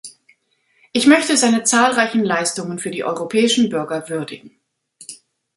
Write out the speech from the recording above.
Ich möchte seine zahlreichen Leistungen für die europäischen Bürger würdigen.